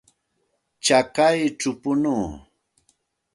Chakayćhaw punuu.